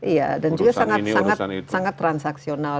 iya dan juga sangat transaksional